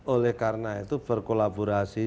oleh karena itu berkolaborasi